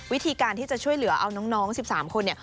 วิธีการที่จะช่วยเหลือเอาน้อง๑๓คนเนี่ย